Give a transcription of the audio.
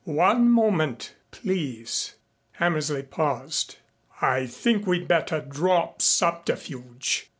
"One moment, please." Hammersley paused. "I think we'd better drop subterfuge.